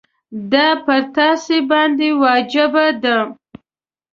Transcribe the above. دا پر تاسي باندي واجبه ده.